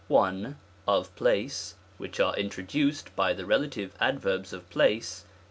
Of Place^ wMcli are introduced by the relative adverbs of place, viz.